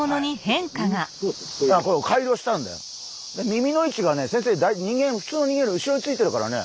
耳の位置がね先生普通の人間より後ろに付いてるからね。